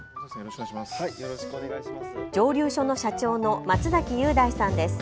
蒸留所の社長の松崎裕大さんです。